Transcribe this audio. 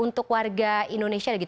untuk warga indonesia gitu